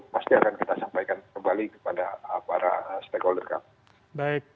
pasti akan kita sampaikan kembali kepada para stakeholder kami